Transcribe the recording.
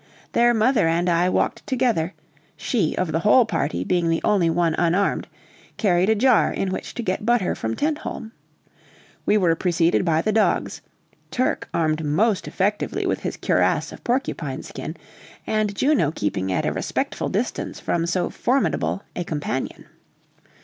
Their mother and I walked together: she, of the whole party, being the only one unarmed, carried a jar in which to get butter from Tentholm; we were preceded by the dogs Turk armed most effectually with his cuirass of porcupine skin, and Juno keeping at a respectful distance from so formidable a companion.